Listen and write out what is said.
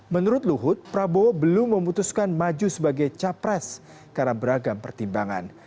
menurut luhut prabowo belum memutuskan maju sebagai capres karena beragam pertimbangan